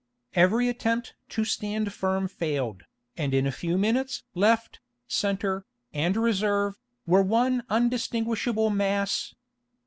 Every attempt to stand firm failed, and in a few minutes left, centre, and reserve, were one undistinguishable mass.